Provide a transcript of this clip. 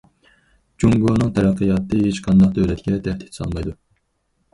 جۇڭگونىڭ تەرەققىياتى ھېچقانداق دۆلەتكە تەھدىت سالمايدۇ.